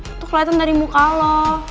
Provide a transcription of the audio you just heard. itu keliatan dari muka lo